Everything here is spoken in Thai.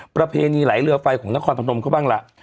ประเพณีไหลเรือไฟของนครพนมเขาบ้างล่ะ